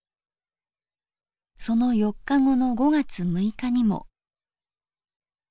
その４日後の５月６日にも。